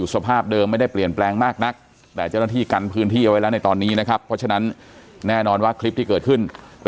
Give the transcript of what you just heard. จริงจริงจริงจริงจริงจริงจริงจริงจริงจริงจริงจริง